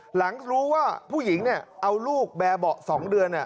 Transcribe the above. หลังรู้ว่าผู้หญิงเอาลูกแบร์เบาะ๒เดือน